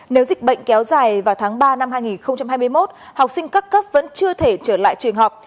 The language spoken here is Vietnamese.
nếu dịch bệnh kéo dài vào tháng ba năm hai nghìn hai mươi một học sinh các cấp vẫn chưa thể trở lại trường học